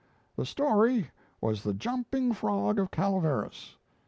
The story was 'The Jumping Frog of Calaveras.'